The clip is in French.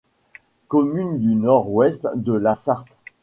Commune du nord-ouest de la Sarthe.